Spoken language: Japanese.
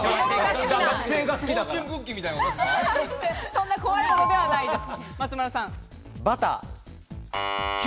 そんな怖いものではないです。